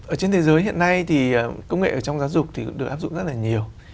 ở trên thế giới hiện nay thì công nghệ ở trong giáo dục thì cũng được áp dụng rất là nhiều